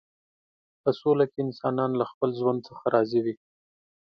په سوله کې انسانان له خپل ژوند څخه راضي وي.